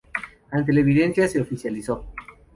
Ante la evidencia se oficializó.